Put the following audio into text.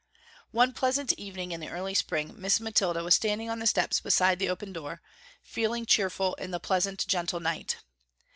One pleasant evening in the early spring, Miss Mathilda was standing on the steps beside the open door, feeling cheerful in the pleasant, gentle night.